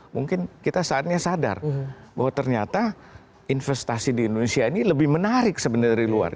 mungkin kita saatnya sadar bahwa ternyata investasi di indonesia ini lebih menarik sebenarnya dari luar